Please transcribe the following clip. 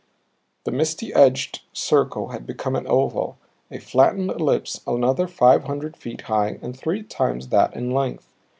The misty edged circle had become an oval, a flattened ellipse another five hundred feet high and three times that in length.